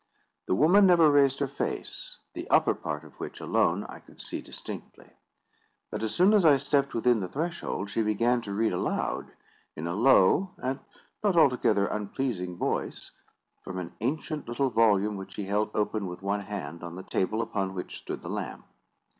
The woman never raised her face, the upper part of which alone I could see distinctly; but, as soon as I stepped within the threshold, she began to read aloud, in a low and not altogether unpleasing voice, from an ancient little volume which she held open with one hand on the table upon which stood the lamp.